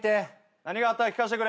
何があった聞かせてくれ。